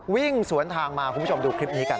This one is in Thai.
วิ่งสวนทางมาคุณผู้ชมดูคลิปนี้กัน